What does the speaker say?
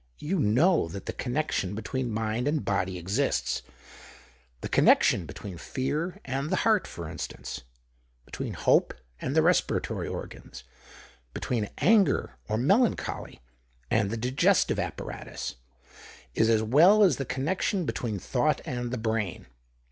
You know that the connection between mind and body exists — the connec tion between fear and the heart, for instance ; between hope and the respiratory organs ; between anger, or melancholy, and the diges tive apparatus, is as well known as the con nection between thought and the brain.